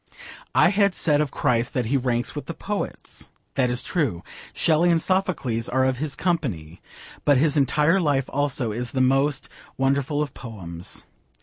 I had said of Christ that he ranks with the poets. That is true. Shelley and Sophocles are of his company. But his entire life also is the most wonderful of poems.